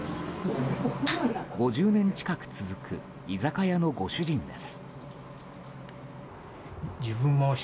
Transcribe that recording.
５０年近く続く居酒屋のご主人です。